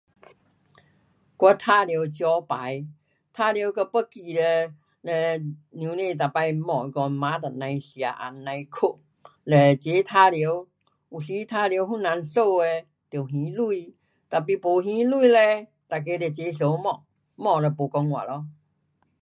我玩耍纸牌，玩耍给忘记咯，嘞母亲每次骂说饭也甭吃也甭睡，嘞齐玩耍，有时玩耍谁人输的得还钱。tapi 没还钱嘞，每个就齐相骂，骂了没讲话咯。